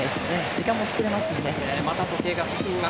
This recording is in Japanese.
時間も作れますので。